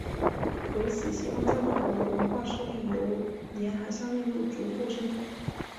由此西方教会和文化势力由沿海向内陆逐步渗透。